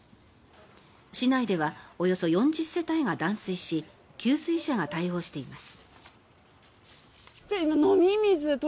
市内ではおよそ４０世帯が断水し給水車が対応しています。